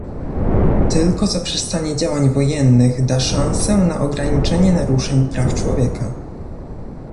Tylko zaprzestanie działań wojennych da szansę na ograniczenie naruszeń praw człowieka